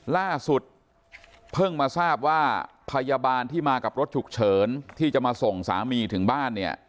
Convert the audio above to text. ล่าสุดเพิ่งมาทราบว่าพยาบาลที่มากับรถฉุกเฉินที่จะมาส่งสามีถึงบ้านเนี่ย